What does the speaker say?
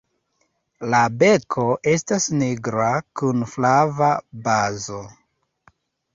La beko estas nigra kun flava bazo.